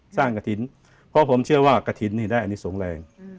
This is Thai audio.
กระถิ่นเพราะผมเชื่อว่ากระถิ่นนี่ได้อันนี้สูงแรง